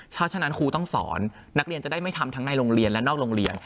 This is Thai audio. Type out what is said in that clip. เพราะฉะนั้นครูต้องสอนนักเรียนจะได้ไม่ทำทั้งในโรงเรียนและนอกโรงเรียน